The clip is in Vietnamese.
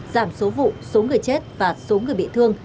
giảm số vụ số người chết và số người bị thương